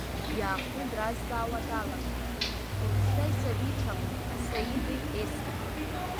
Иаахтны дразҵаауа далагар, уажәшьҭа исабицәамызт Саиди Есмеи.